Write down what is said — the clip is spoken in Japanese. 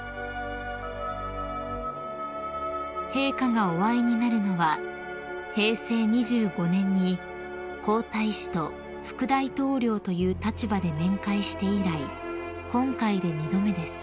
［陛下がお会いになるのは平成２５年に皇太子と副大統領という立場で面会して以来今回で二度目です］